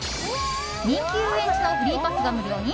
人気遊園地のフリーパスが無料に？